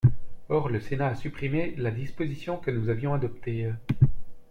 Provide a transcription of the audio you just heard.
Or le Sénat a supprimé la disposition que nous avions adoptée.